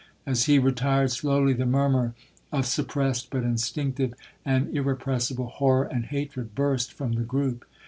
'—As he retired slowly, the murmur of suppressed but instinctive and irrepressible horror and hatred burst from the groupe.